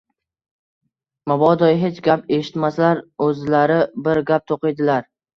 Mobodo hech gap eshitmasalar, o‘zlari biror gap to‘qiydilar